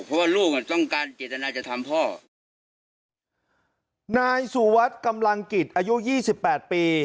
เพราะว่าลูกอ่ะต้องการเจตนาจะทำพ่อนายสุวัสดิ์กำลังกิจอายุยี่สิบแปดปี